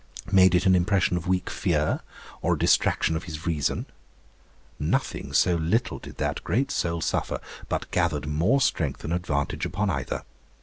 Made it an impression of weak fear, or a distraction of his reason? Nothing so little did that great soul suffer, but gathered more strength and advantage upon either.